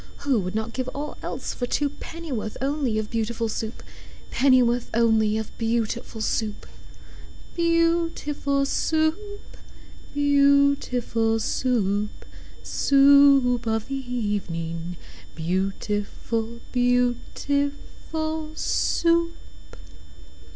Who would not give all else for two Pennyworth only of Beautiful Soup? Pennyworth only of beautiful Soup? Beau ootiful Soo oop! Beau ootiful Soo oop! Soo oop of the e e evening, Beautiful, beauti FUL SOUP!